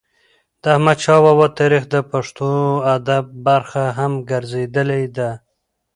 د احمدشا بابا تاریخ د پښتو ادب برخه هم ګرځېدلې ده.